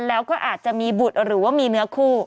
แล้วก็อาจจะมีบุตรหรือว่ามีเนื้อคู่